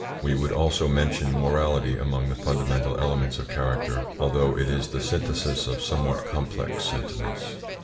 We would also mention morality among the fundamental elements of character, although it is the synthesis of somewhat complex sentiments.